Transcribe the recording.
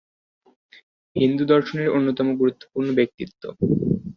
হিন্দু দর্শনের অন্যতম গুরুত্বপূর্ণ ব্যক্তিত্ব।